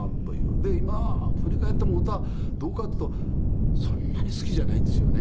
で今振り返っても歌どうかっていうとそんなに好きじゃないんですよね。